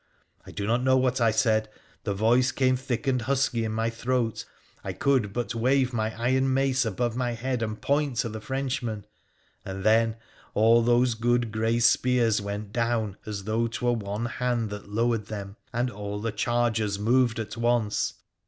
I do not know what I said, the roice came thick and husky in my throat, I could but wave ny iron mace above my head and point to the Frenchmen. knd. then all those good grey spears went down as though twere one hand that lowered them, and all the chargers moved it once.